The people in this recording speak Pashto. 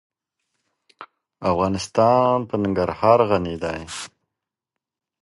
افغانستان په ننګرهار غني دی.